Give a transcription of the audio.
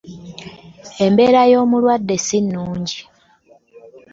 Embeera y'omulwadde si nungi.